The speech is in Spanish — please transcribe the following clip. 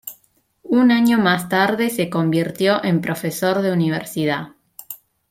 Un año más tarde, se convirtió en profesor de universidad.